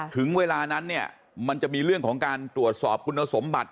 ถึงเวลานั้นเนี่ยมันจะมีเรื่องของการตรวจสอบคุณสมบัติ